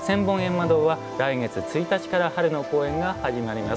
ま堂は来月１日から春の公演が始まります。